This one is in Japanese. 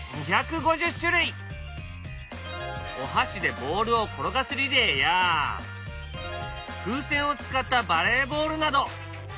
お箸でボールを転がすリレーや風船を使ったバレーボールなど！